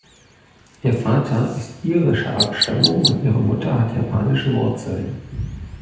Ihr Vater ist irischer Abstammung und ihre Mutter hat japanische Wurzeln.